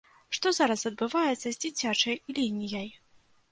Што зараз адбываецца з дзіцячай лініяй?